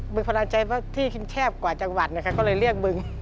บึงพลาญชัยที่แชบกว่าจังหวัดนะครับก็เลยเลือกบึง